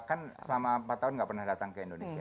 kan selama empat tahun nggak pernah datang ke indonesia